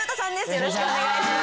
よろしくお願いします。